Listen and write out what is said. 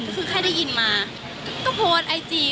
คือใครได้ยินมาก็โพสไอจี